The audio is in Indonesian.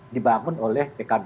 dibangun oleh pkb